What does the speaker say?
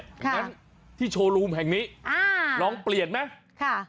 งั้นที่โชว์รูมแห่งนี้ลองเปลี่ยนไหม